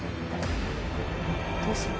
どうする？